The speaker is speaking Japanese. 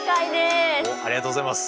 おっありがとうございます。